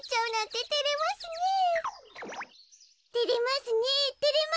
てれますねえ。